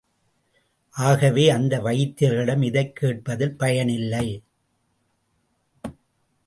ஆகவே, அந்த வைத்தியர்களிடம் இதைக் கேட்பதில் பயனில்லை.